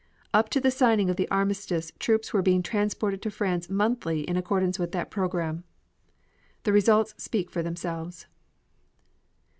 Up to the signing of the armistice troops were being transported to France monthly in accordance with that program. The results speak for themselves....